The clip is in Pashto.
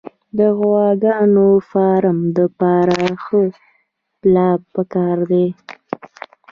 د غواګانو فارم دپاره ښه پلان پکار دی